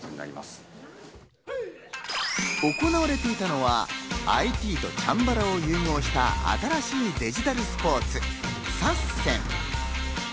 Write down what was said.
行われていたのは、ＩＴとチャンバラを融合した新しいデジタルスポーツ、ＳＡＳＳＥＮ。